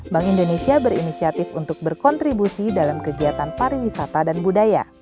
bank indonesia berinisiatif untuk berkontribusi dalam kegiatan pariwisata dan budaya